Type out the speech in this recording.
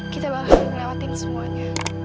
kita bakal harus melewati semuanya